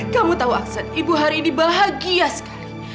kamu tau aksan ibu hari ini bahagia sekali